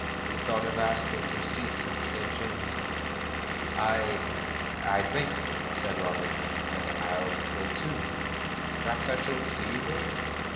We thought of asking for seats at the St. James's." "I — I think',' said Robert, "that I'll go, too. Perhaps I shall see you there.